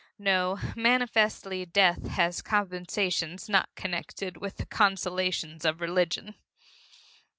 No manifestly death has compensations not connected with the consolations of religion.